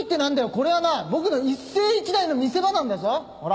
これはなぁ僕の一世一代の見せ場なんだぞほら